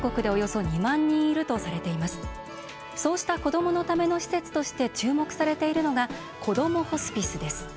そうした子どものための施設として注目されているのが「こどもホスピス」です。